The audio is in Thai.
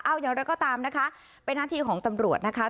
เอาอย่างไรก็ตามนะคะเป็นหน้าที่ของตำรวจนะคะ